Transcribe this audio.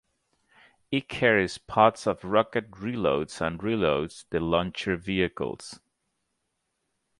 It carries pods of rocket reloads and reloads the launcher vehicles.